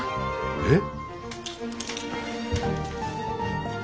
えっ！？